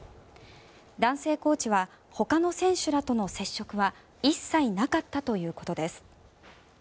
男性コーチはほかの選手らとの接触は一切なかったということです。